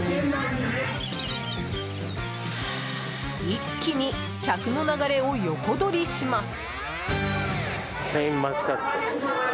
一気に客の流れを横取りします。